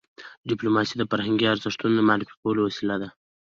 ډيپلوماسي د فرهنګي ارزښتونو د معرفي کولو وسیله ده.